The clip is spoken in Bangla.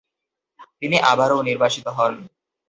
তিনি আবারও নির্বাসিত হন।